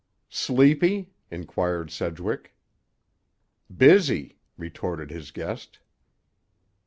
"Sleepy?" inquired Sedgwick. "Busy," retorted his guest.